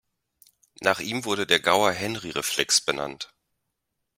Nach ihm wurde der Gauer-Henry-Reflex benannt.